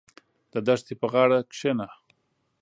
• د دښتې په غاړه کښېنه.